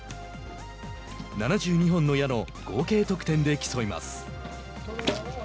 ７２本の矢の合計得点で競います。